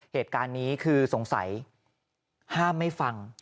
เหตุการณ์นี้คือสงสัยห้ามไม่ฟัง